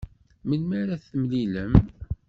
Melmi ara temlilem?